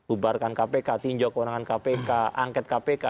ubarkan kpk tinjau kewenangan kpk angket kpk